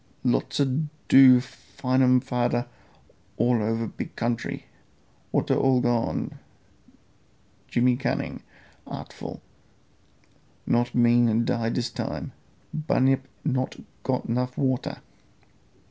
Lots a do find um fader all over big country. Water all gone, Jimmy cunning artful, not mean die dis time. Bunyip not got 'nuff water.